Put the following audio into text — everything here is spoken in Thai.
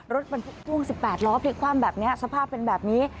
รถบรรทุกพ่วง๑๘ล้อพลิกคว่ำแบบนี้สภาพเป็นแบบนี้